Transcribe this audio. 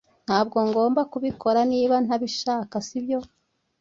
ntabwo ngomba kubikora niba ntabishaka, sibyo